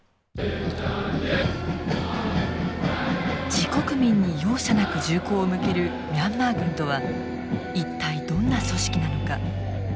自国民に容赦なく銃口を向けるミャンマー軍とは一体どんな組織なのか。